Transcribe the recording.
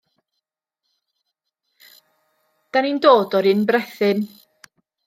'Dan ni'n dod o'r un brethyn.